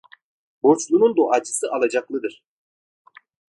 Borçlunun duacısı alacaklıdır.